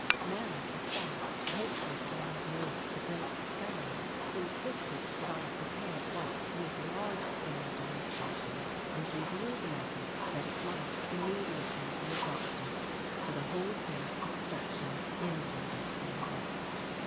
Now the Staff, hopeful that I had made the great discovery, insisted that I prepare at once to make a large scale demonstration and reveal the method that it might immediately be adopted for the wholesale extraction in the industrial works.